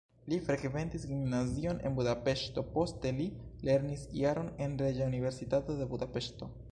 Li frekventis gimnazion en Budapeŝto, poste li lernis jaron en Reĝa Universitato de Budapeŝto.